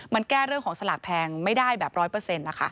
มันแก้เรื่องของสลากแพงไม่ได้แบบร้อยเปอร์เซ็นต์นะคะ